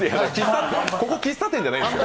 ここ喫茶店じゃないんですよ。